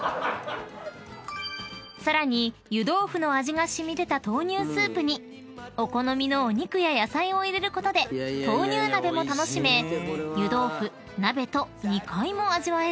［さらに湯豆腐の味が染み出た豆乳スープにお好みのお肉や野菜を入れることで豆乳鍋も楽しめ湯豆腐鍋と２回も味わえるんです］